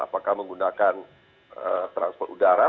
apakah menggunakan transport udara